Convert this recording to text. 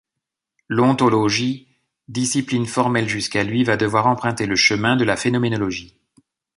L'ontologie, discipline formelle jusqu'à lui, va devoir emprunter le chemin de la phénoménologie.